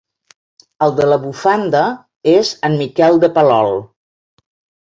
El de la bufanda és en Miquel de Palol.